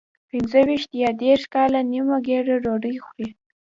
پنځه ویشت یا دېرش کاله نیمه ګېډه ډوډۍ خوري.